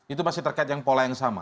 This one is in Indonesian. itu masih terkait yang pola yang sama